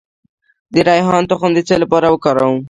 د ریحان تخم د څه لپاره وکاروم؟